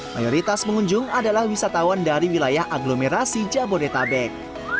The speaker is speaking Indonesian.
mayoritas pengunjung adalah wisatawan dari wilayah aglomerasi jabodetabek